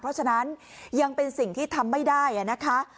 เพราะฉะนั้นยังเป็นสิ่งที่ทำไม่ได้นะคะ